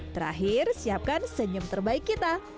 terakhir siapkan senyum terbaik kita